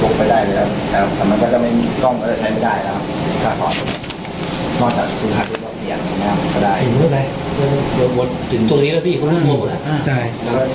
ถอดลดไปได้เลยถอดเลือกไปได้เลย